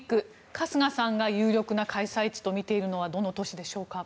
春日さんが有力な開催地とみているのはどこでしょうか。